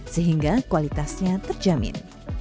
sehingga kualitasnya terjamin